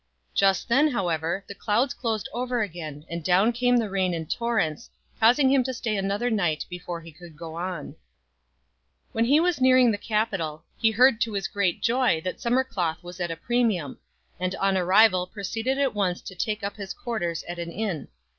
Just then, however, the clouds closed over again, and down came the rain in torrents, causing him to stay another night before he could go on. When he was nearing the capital, he heard to his great joy that summer cloth was at a premium; and on arrival proceeded at once to take up his quarters at an inn.